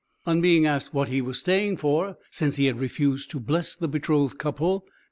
On being asked what he was staying for since he had refused to bless the betrothed couple?